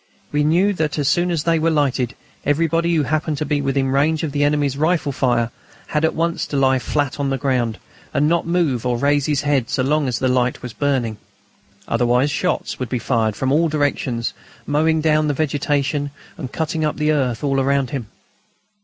We knew that as soon as they were lighted everybody who happened to be within range of the enemy's rifle fire had at once to lie flat on the ground, and not move or raise his head so long as the light was burning. Otherwise shots would be fired from all directions, mowing down the vegetation and cutting up the earth all around him.